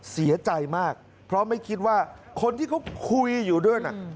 เสียใจมากเพราะไม่คิดว่าคนที่เขาคุยอยู่ด้วยน่ะ